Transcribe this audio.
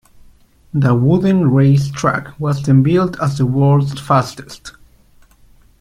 The wooden race track was then billed as the world's fastest.